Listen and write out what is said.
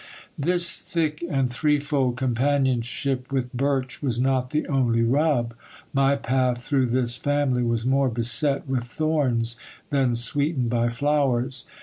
This thick and threefold companionship with birch was not the only rub ; my path through this family was more beset with thorns than sweetened by flowers.